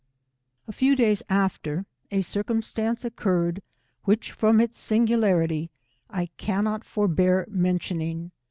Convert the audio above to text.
A few days after, a circumstance occurred, which, from its singularity, I cannot forbear mentioning.